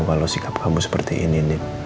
kalau sikap kamu seperti ini